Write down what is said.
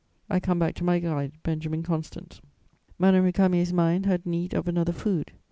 I come back to my guide Benjamin Constant: "Madame Récamier's mind had need of another food.